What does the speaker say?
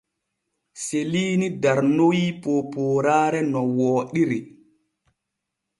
Seliini darnoy poopooraare no wooɗiri.